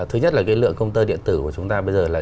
thứ nhất là cái lượng công tơ điện tử của chúng ta bây giờ là